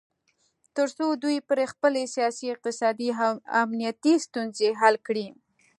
تر څو دوی پرې خپلې سیاسي، اقتصادي او امنیتي ستونځې حل کړي